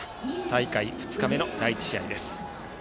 大会２日目の第１試合です。